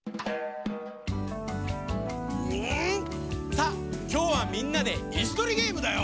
さあきょうはみんなでいすとりゲームだよ。